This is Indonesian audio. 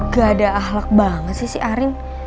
gak ada ahlak banget sih si arin